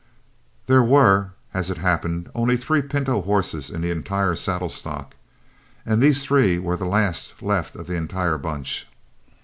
There were, as it happened, only three pinto horses in the entire saddle stock, and these three were the last left of the entire bunch.